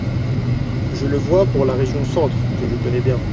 Je le vois pour la région Centre, que je connais bien.